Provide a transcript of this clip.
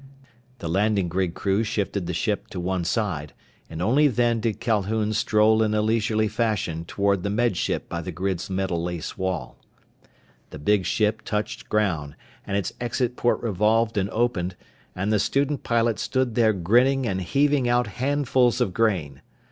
The landing grid crew shifted the ship to one side, and only then did Calhoun stroll in a leisurely fashion toward the Med Ship by the grid's metal lace wall. The big ship touched ground, and its exit port revolved and opened, and the student pilot stood there grinning and heaving out handfuls of grain.